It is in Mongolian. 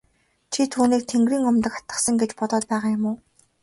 Чи түүнийг тэнгэрийн умдаг атгасан гэж бодоод байгаа юм уу?